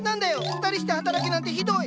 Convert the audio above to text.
二人して働けなんてひどい！